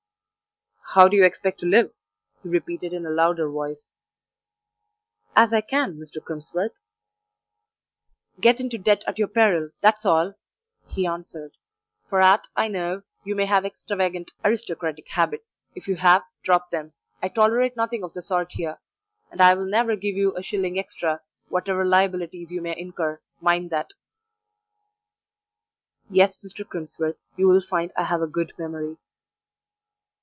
"How do you expect to live?" he repeated in a louder voice. "As I can, Mr. Crimsworth." "Get into debt at your peril! that's all," he answered. "For aught I know you may have extravagant aristocratic habits: if you have, drop them; I tolerate nothing of the sort here, and I will never give you a shilling extra, whatever liabilities you may incur mind that." "Yes, Mr. Crimsworth, you will find I have a good memory."